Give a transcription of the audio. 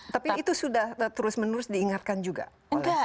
tapi itu sudah terus menerus diingatkan juga oleh